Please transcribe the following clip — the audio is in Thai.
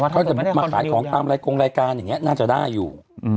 เขาจะมาขายของตามรายกงรายการอย่างนี้น่าจะได้อยู่